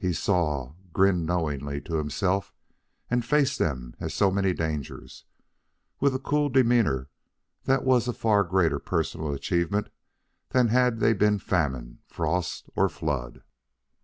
He saw, grinned knowingly to himself, and faced them as so many dangers, with a cool demeanor that was a far greater personal achievement than had they been famine, frost, or flood.